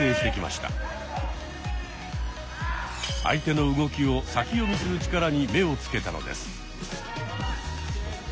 相手の動きを先読みする力に目を付けたのです。